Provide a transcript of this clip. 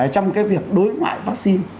trong cái việc đối ngoại vaccine